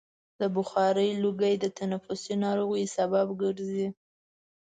د بخارۍ لوګی د تنفسي ناروغیو سبب ګرځي.